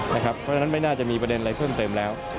เพราะฉะนั้นไม่น่าจะมีประเด็นอะไรเพิ่มเติมแล้ว